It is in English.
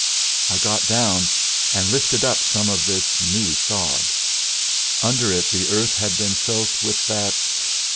I got down and lifted up some of this new sod. Under it the earth had been soaked with that...